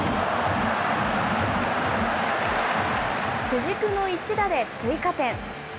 主軸の一打で追加点。